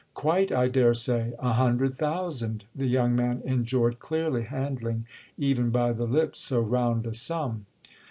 "Quite, I dare say, a Hundred Thousand"—the young man enjoyed clearly handling even by the lips so round a sum.